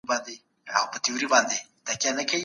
ایا د لمر ګل د تخمونو خوړل د بدن چربي کنټرولوي؟